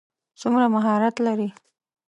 څومره مهارت لري.